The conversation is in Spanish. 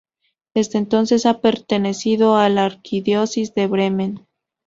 Desde entonces, ha pertenecido a la Arquidiócesis de Bremen.